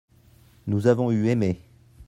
nous avons eu aimé.